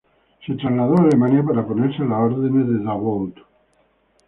Se trasladó a Alemania para ponerse a las órdenes de Davout.